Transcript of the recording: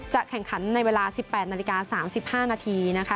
แข่งขันในเวลา๑๘นาฬิกา๓๕นาทีนะคะ